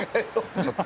ちょっと。